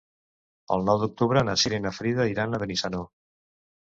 El nou d'octubre na Cira i na Frida iran a Benissanó.